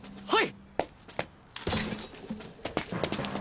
はい！